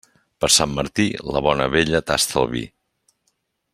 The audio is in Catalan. Per Sant Martí, la bona vella tasta el vi.